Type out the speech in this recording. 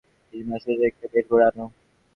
তুমি মানুষের সেরা দিকটা বের করে আনো।